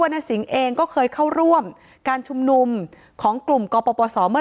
ณสิงห์เองก็เคยเข้าร่วมการชุมนุมของกลุ่มกปศเมื่อ